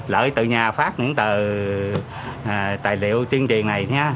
lợi từ nhà phát những tờ tài liệu tuyên truyền này